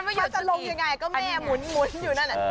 ไม่รู้จะลงยังไงก็แม่หมุนอยู่นั่น